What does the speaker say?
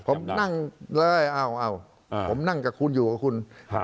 ผมนั่งเลยอ้าวผมนั่งกับคุณอยู่กับคุณ